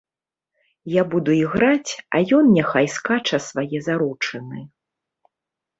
Я буду іграць, а ён няхай скача свае заручыны.